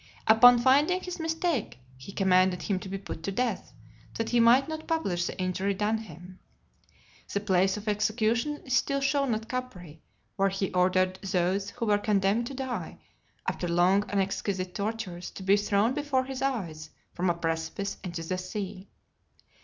Upon finding his mistake, he commanded him to be put to death, that he might not publish the injury done him. The place of execution is still shown at Capri, where he ordered those who were condemned to die, after long and exquisite tortures, to be thrown, before his eyes, from a precipice into the sea.